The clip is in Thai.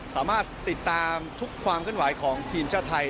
สามารถติดตามทุกความฮองของทีมชาติไทย